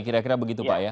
kira kira begitu pak ya